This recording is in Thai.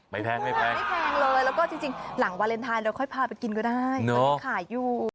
แพงไม่แพงไม่แพงเลยแล้วก็จริงหลังวาเลนไทยเราค่อยพาไปกินก็ได้ตอนนี้ขายอยู่